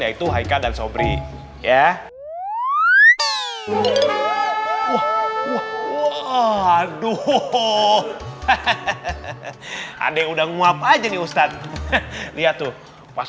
yaitu haikal dan sobri ya aduh aduh aduh udah nguap aja nih ustad lihat tuh pas